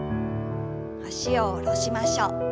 脚を下ろしましょう。